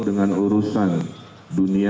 dengan urusan dunia